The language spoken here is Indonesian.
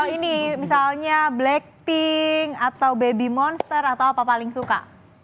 ini misalnya blackpink atau baby monster atau apa paling suka